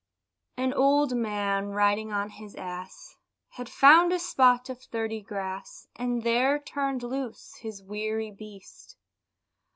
An old man, riding on his ass, Had found a spot of thrifty grass, And there turn'd loose his weary beast.